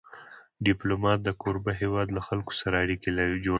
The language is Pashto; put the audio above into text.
ډيپلومات د کوربه هېواد له خلکو سره اړیکې جوړوي.